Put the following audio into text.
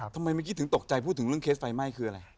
เมื่อกี้ถึงตกใจพูดถึงเรื่องเคสไฟไหม้คืออะไร